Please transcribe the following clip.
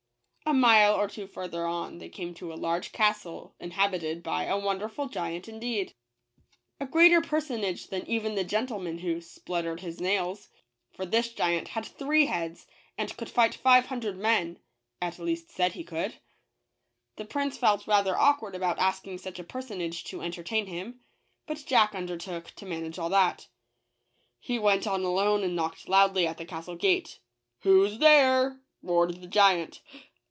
A mile or two further on they came to a large castle in habited by a wonderful giant indeed : a greater personage 175 JACK THE GIANT KILLER. Ilian even the gentleman who "spluttered his nails;'' for this giant had three heads, and could fight five hundred men (at least said he could.) The prince felt rather awkward about asking such a personage to entertain him ; but Jack undertook to manage all that. He went on alone, and knocked loudly at the castle gate. "Who's there?" roared the giant.